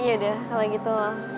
iyodeh kalau gitu